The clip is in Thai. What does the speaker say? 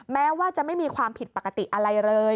แม้ว่าจะไม่มีความผิดปกติอะไรเลย